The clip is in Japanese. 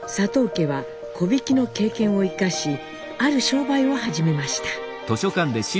家は木びきの経験を生かしある商売を始めました。